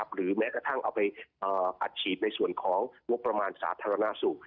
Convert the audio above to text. หรือแม้กระทั่งเอาไปอัดฉีดในส่วนของงบประมาณสาธารณสุข